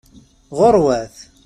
Ɣuṛwat!